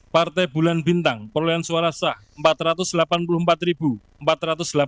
partai bulan bintang perolehan suara sah rp empat ratus delapan puluh empat empat ratus delapan puluh